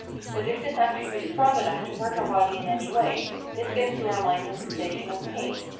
But if this action be strong enough to hurt our body in any way, this gives to our mind the sensation of pain.